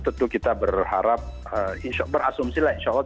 tentu kita berharap berasumsi lah insya allah